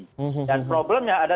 vaksin dan problemnya ada